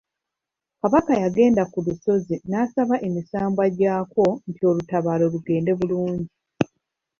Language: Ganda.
Kabaka yagendanga ku lusozi n’asaba emisambwa gyakwo nti olutabaalo lugende bulungi.